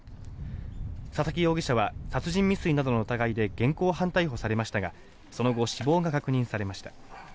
佐々木容疑者は殺人未遂などの疑いで現行犯逮捕されましたがその後、死亡が確認されました。